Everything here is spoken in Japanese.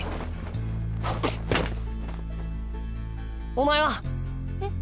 お前は？え？